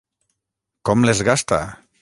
Com les gasta!